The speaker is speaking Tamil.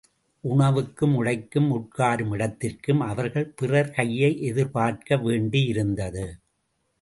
உணவுக்கும், உடைக்கும், உட்காரும் இடத்திற்கும் அவர்கள் பிறர் கையை எதிர்பார்க்க வேண்டியிருந்தது.